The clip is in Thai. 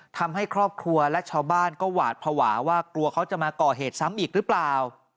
ทำให้ครอบครัวและชาวบ้านก็หวาดภาวะว่ากลัวเขาจะมาก่อเหตุซ้ำอีกหรือเปล่า